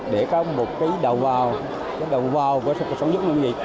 để có một cái đầu vào cái đầu vào của sản xuất nông nghiệp